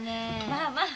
まあまあ。